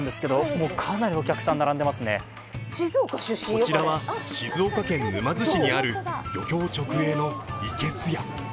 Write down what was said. こちらは静岡県沼津市にある漁業直営のいけすや。